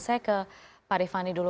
saya ke pak rifani dulu